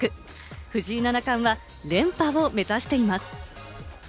藤井七冠は連覇を目指しています。